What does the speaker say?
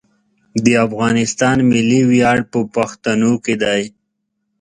د افغانستان ملي ویاړ په پښتنو کې دی.